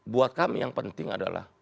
buat kami yang penting adalah